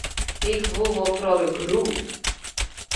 Ik woe wol troch de grûn.